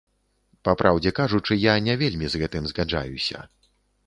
Папраўдзе кажучы, я не вельмі з гэтым згаджаюся.